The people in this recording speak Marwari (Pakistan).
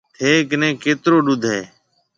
ٿَي ڪنَي ڪيترو ڏوڌ هيَ؟